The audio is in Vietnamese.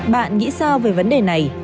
bạn nghĩ sao về vấn đề này